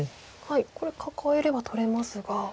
これカカえれば取れますが。